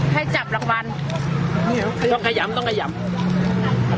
ให้จับรางวัลต้องขยำต้องขยำ